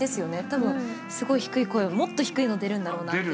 たぶんすごい低い声もっと低いの出るんだろうな。